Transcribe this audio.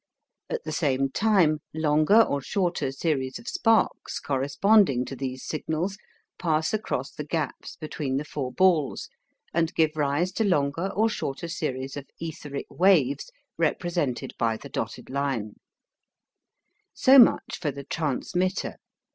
At the same time longer or shorter series of sparks corresponding to these signals pass across the gaps between the four balls, and give rise to longer or shorter series of etheric waves represented by the dotted line. So much for the "Transmitter."